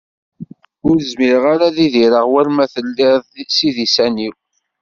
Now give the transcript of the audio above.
Ur zmireɣ ara ad idireɣ war ma telliḍ s idisan-iw.